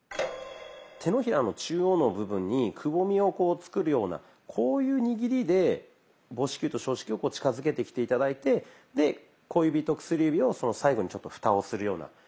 手のひらの中央の部分にくぼみを作るようなこういう握りで母指球と小指球を近づけてきて頂いてで小指と薬指を最後にフタをするようなイメージです。